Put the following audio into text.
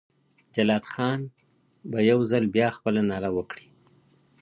جلات خان به یو ځل بیا خپله ناره وکړي.